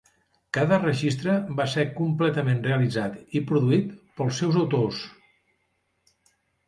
Cada registre va ser completament realitzat i produït pels seus autors.